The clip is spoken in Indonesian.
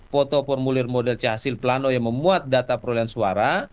foto formulir model c hasil plano yang memuat data perolehan suara